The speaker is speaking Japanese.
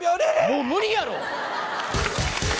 もう無理やろ！